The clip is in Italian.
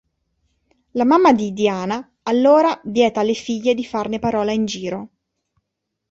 La mamma di Diana allora vieta alle figlie di farne parola in giro.